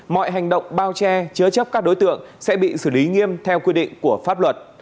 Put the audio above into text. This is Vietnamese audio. mọi hành động bao che chứa chấp các đối tượng sẽ bị xử lý nghiêm theo quy định của pháp luật